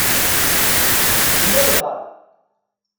Ulayɣer.